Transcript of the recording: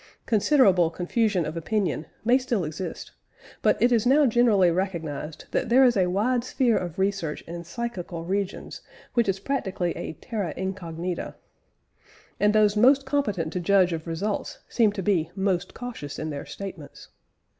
Considerable confusion of opinion may still exist, but it is now generally recognised that there is a wide sphere of research in psychical regions which is practically a terra incognita. And those most competent to judge of results seem to be most cautious in their statements.